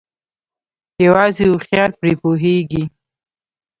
يوازې هوښيار پري پوهيږي